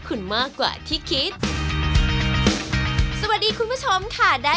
อ๋อคุณท่านคือคนไทย